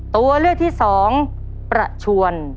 ตัวเลือกที่สองประชวน